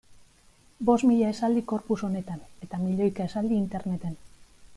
Bost mila esaldi corpus honetan eta milioika esaldi interneten.